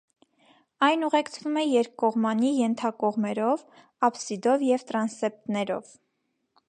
Այն ուղեկցվում է երկկողմանի ենթակողմերով՝ աբսիդով և տրանսեպտներով։